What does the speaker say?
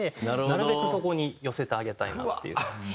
なるべくそこに寄せてあげたいなっていう。